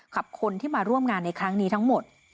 กับคนที่มาร่วมงานในครั้งนี้ทั้งหมด